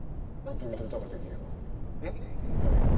踊りと歌ができれば私